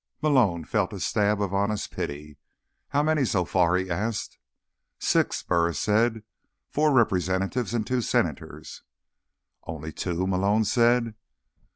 Malone felt a stab of honest pity. "How many so far?" he asked. "Six," Burris said. "Four representatives, and two senators." "Only two?" Malone said.